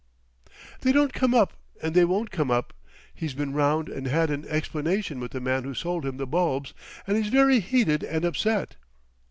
"They don't come up and they won't come up. He's been round and had an explanation with the man who sold him the bulbs—and he's very heated and upset."